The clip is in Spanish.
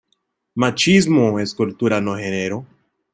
Machismo es cultura no género